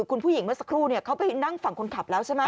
คุณผู้หญิงเมื่อสักครู่เขาไปนั่งฝั่งคนขับแล้วใช่ไหม